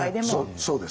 そうです。